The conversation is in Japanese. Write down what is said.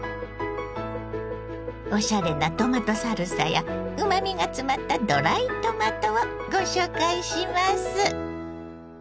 おしゃれなトマトサルサやうまみが詰まったドライトマトをご紹介します。